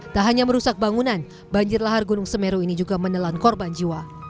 tak hanya merusak bangunan banjir lahar gunung semeru ini juga menelan korban jiwa